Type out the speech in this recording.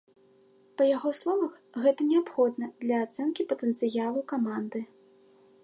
Па яго словах, гэта неабходна для ацэнкі патэнцыялу каманды.